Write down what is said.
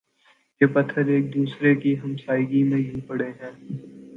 یہ پتھر ایک دوسرے کی ہمسائیگی میں یوں پڑے ہیں